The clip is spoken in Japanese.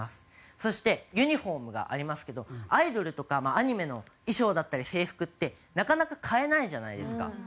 そしてユニホームがありますけどアイドルとかアニメの衣装だったり制服ってなかなか買えないじゃないですか。